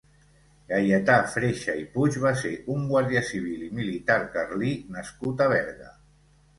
Gaietà Freixa i Puig va ser un guàrdia civil i militar carlí nascut a Berga.